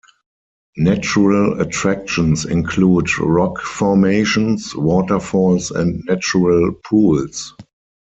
Natural attractions include rock formations, waterfalls and natural pools.